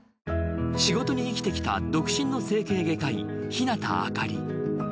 仕事に生きてきた独身の整形外科医日向明里